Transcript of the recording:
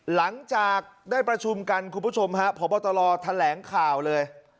หลังจากได้ประชุมกันคุณผู้ชมฮะพบตรแถลงข่าวเลย